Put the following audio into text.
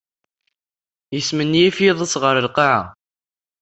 Yesmenyif iḍes ar lqaɛa.